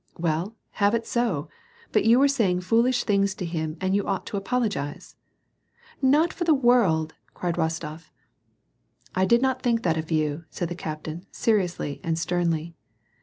" Well, have it so, but you were saying foolish things to him and you ought to apologize." " Not for the world I " cried Rostof. '^ I did not think that of you," said the captain, seriously and sternly.